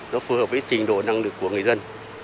nó phù hợp với trình độ năng lực của người dân